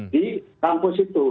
di kampus itu